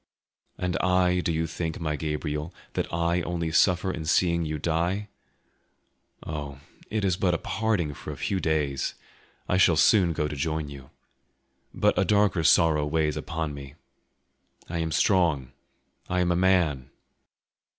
"And I, do you think, my Gabriel, that I only suffer in seeing you die? Oh, it is but a parting for a few days; I shall soon go to join you. But a darker sorrow weighs upon me. I am strong, I am a man".